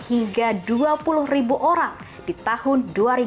hingga dua puluh ribu orang di tahun dua ribu dua puluh